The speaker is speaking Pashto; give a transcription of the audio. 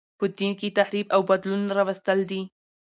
په دین کښي تحریف او بدلون راوستل دي.